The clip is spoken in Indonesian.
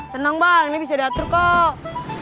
tenang bang ini bisa diatur kok